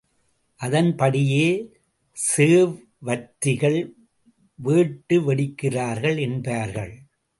அதன்படியே சேவார்த்திகள் வேட்டு வெடிக்கிறார்கள் என்பார்கள்.